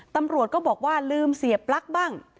ตำรวจก็บอกว่าลืมเสียปลั๊กบ้าง